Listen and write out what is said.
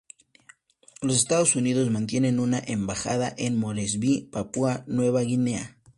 Los Estados Unidos mantienen una embajada en Moresby, Papua Nueva Guinea.